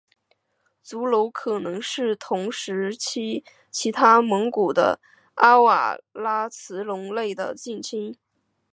足龙可能是同时期其他蒙古的阿瓦拉慈龙类的近亲。